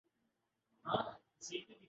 بس اگر ہے تو صرف دکھاوا اور بناوٹ